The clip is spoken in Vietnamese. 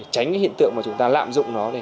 tránh hiện tượng mà chúng ta lạm dụng nó